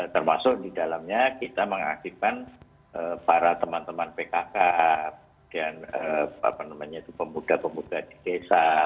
termasuk di dalamnya kita mengaktifkan para teman teman pkk dan pemuda pemuda di desa